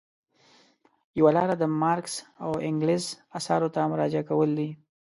یوه لاره د مارکس او انګلز اثارو ته مراجعه کول دي.